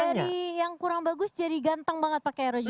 og dari yang kurang bagus jadi ganteng banget pakai rog phone lima